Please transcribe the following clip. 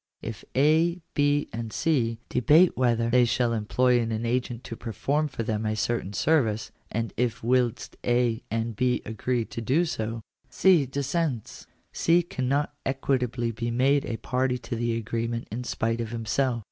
If A, B, and C, debate whether they shall employ an agent to perform for them a certain service, and if whilst A and B agree to do so, dis sents, C cannot equitably be made a party to the agreement in spite of himself.